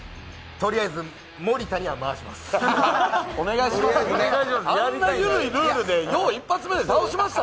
とりあえず森田には回します。